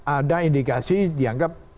ada indikasi dianggap